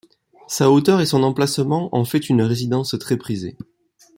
Sa hauteur et son emplacement en fait une résidence très prisée.